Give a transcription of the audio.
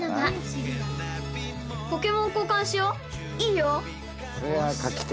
いいよ！